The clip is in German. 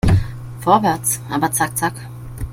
Vorwärts, aber zack zack!